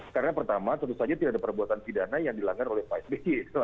karena pertama tentu saja tidak ada perbuatan pidana yang dilakukan oleh psby